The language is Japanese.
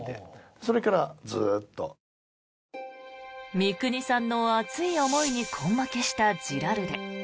三國さんの熱い思いに根負けしたジラルデ。